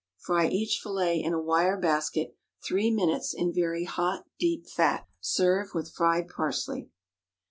Fry each fillet in a wire basket three minutes in very hot deep fat. Serve with fried parsley.